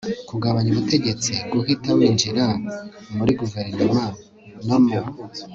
kugabana ubutegetsi guhita winjiza muri Guverinoma no mu